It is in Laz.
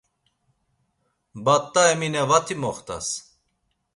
Bat̆a Emine vati moxt̆as!